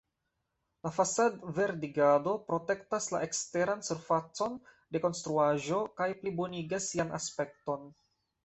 La fasad-verdigado protektas la eksteran surfacon de konstruaĵo kaj plibonigas sian aspekton.